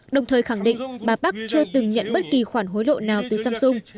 đồng thời khẳng định bà bắc chưa từng nhận bất kỳ khoản hối lộ nào từ samsung